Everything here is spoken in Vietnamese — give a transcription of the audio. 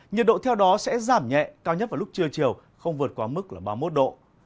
nhiệt độ theo đó sẽ giảm nhẹ cao nhất vào lúc trưa chiều không vượt quá mức ba mươi một độ